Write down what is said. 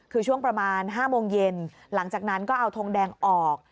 คือช่วงประมาณ๕โมงเย็นหลังจากนั้นก็เอาทงแดงออก